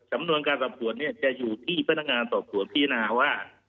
สำนวนการสอบสวนเนี่ยจะอยู่ที่พนักงานสอบสวนพิจารณาว่า